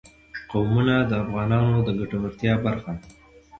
قومونه د افغانانو د ګټورتیا برخه ده.